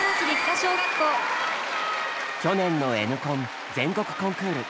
去年の「Ｎコン」全国コンクール。